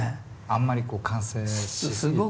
あんまり完成し過ぎ。